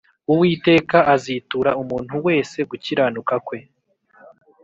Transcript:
Uwiteka azitura umuntu wese gukiranuka kwe